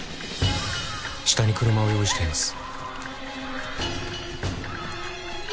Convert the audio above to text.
下に車を用意しています。